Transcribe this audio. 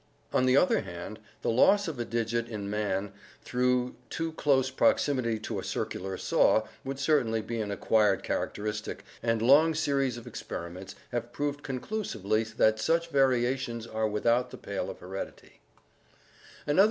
On the other hand, the loss of a digit in man through too close proximity to a circular saw would certainly be an acquired characteristic and long series of experiments have proved conclu sively that such variations are without the pale of heredity.